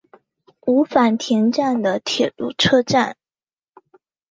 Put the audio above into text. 五反田站的铁路车站。